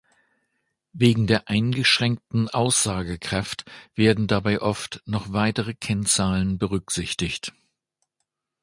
Wegen der eingeschränkten Aussagekraft werden dabei oft noch weitere Kennzahlen berücksichtigt.